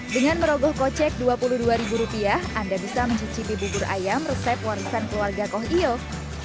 dengan merogoh kocek rp dua puluh dua anda bisa mencicipi ubur ayam resep warisan keluarga koiok